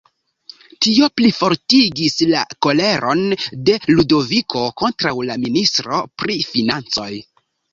Tio plifortigis la koleron de Ludoviko kontraŭ la ministro pri financoj.